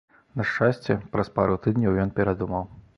На шчасце, праз пару тыдняў ён перадумаў.